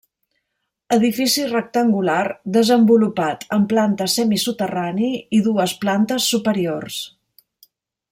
Edifici rectangular desenvolupat en planta semisoterrani i dues plantes superiors.